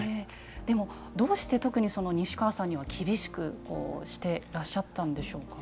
どうして特に西川さんには厳しくしてらっしゃったんでしょうかね？